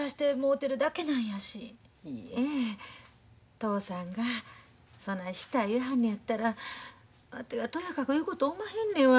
嬢さんがそないしたい言わはんのやったらわてがとやかく言うことおまへんねんわ。